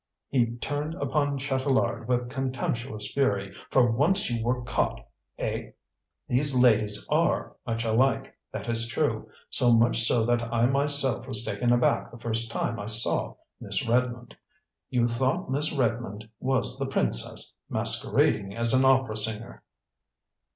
He turned upon Chatelard with contemptuous fury. "For once you were caught, eh? These ladies are much alike that is true. So much so that I myself was taken aback the first time I saw Miss Redmond. You thought Miss Redmond was the princess masquerading as an opera singer."